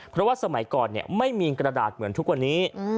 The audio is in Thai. เพราะว่าสมัยก่อนไม่มีกระดาษเหมือนทุกวันนี้